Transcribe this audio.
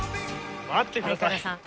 待ってください！